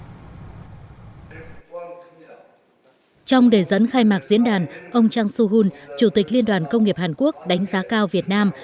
trong đề dẫn khai mạc diễn đàn ông chang su hun chủ tịch liên đoàn công nghiệp hàn quốc đánh giá cao việt nam